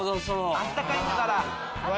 「あったかいんだから」。